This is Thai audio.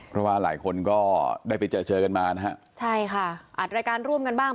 เพราะว่าหลายคนก็ได้ไปเจอเจอกันมานะฮะใช่ค่ะอัดรายการร่วมกันบ้าง